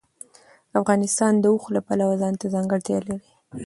افغانستان د اوښ د پلوه ځانته ځانګړتیا لري.